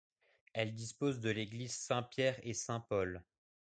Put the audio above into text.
Elle dispose de l'église Saint-Pierre-et-Saint-Paul.